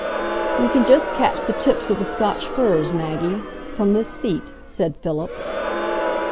"We can just catch the tips of the Scotch firs, Maggie, from this seat," said Philip.